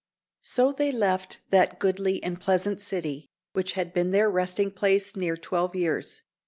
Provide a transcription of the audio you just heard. "So they left that goodly and pleasant city, which had been their resting place near twelve years.